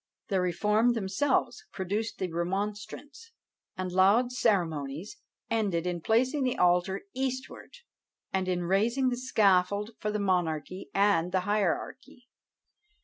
The reformed themselves produced the remonstrants; and Laud's ceremonies ended in placing the altar eastward, and in raising the scaffold for the monarchy and the hierarchy.